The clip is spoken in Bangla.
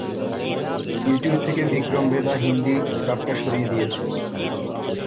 ইউটিউব থেকে ভিক্রম ভেদা হিন্দী ডাবডটা সরিয়ে দিয়েছে।